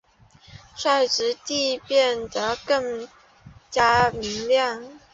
率直地变得更加明亮！